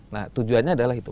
nah tujuannya adalah itu